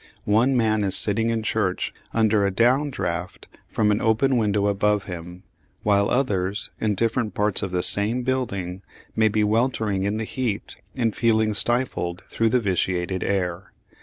One man is sitting in church under a down draught from an open window above him, while others, in different parts of the same building, may be weltering in the heat and feeling stifled through the vitiated air.